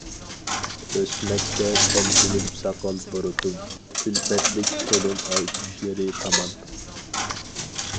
ئۆسمەكتە تەلپۈنۈپ ساقال-بۇرۇتۇم، كۈلپەتلىك تولۇن ئاي چۈشلىرى تامان.